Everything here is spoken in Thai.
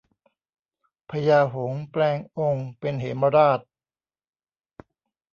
พญาหงส์แปลงองค์เป็นเหมราช